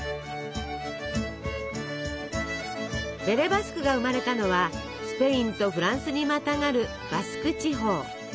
ベレ・バスクが生まれたのはスペインとフランスにまたがるバスク地方。